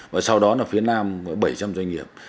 và sau đó là phía nam với bảy trăm linh doanh nghiệp